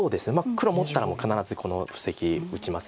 黒持ったらもう必ずこの布石打ちます。